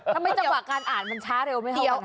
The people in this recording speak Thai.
ทำไมจังหวะการอ่านมันช้าเร็วไม่เท่ากันนะ